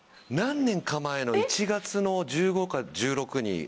何年か前の１月の１５か１６に。